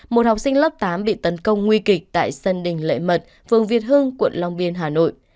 một học sinh lớp tám bị tấn công nguy kịch tại sân đình lệ mật phường việt hưng quận long biên hà nội